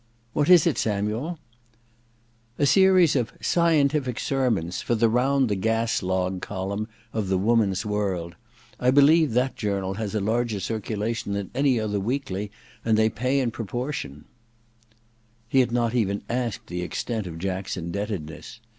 ' What is it, Samuel ?' *A series of "Scientific Sermons" for the Round the <jas Log column of The Womatis World. I believe that journal has a larger circulation than any other weekly, and they pay in proportion.' ▼ THE DESCENT OF MAN 29 He had not even asked the extent of Jack's indebtedness.